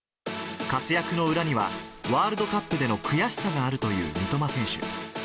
活躍の裏には、ワールドカップでの悔しさがあるという三笘選手。